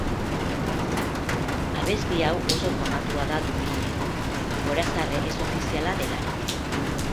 Abesti hau oso famatua da Dublinen, gorazarre ez ofiziala delarik.